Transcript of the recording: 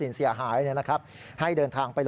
ทีนี้น้องก็เลยเดินไปปิด